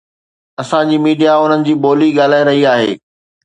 اسان جي ميڊيا انهن جي ٻولي ڳالهائي رهي آهي.